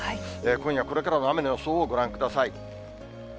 今夜、これからの雨の予想をご覧ください。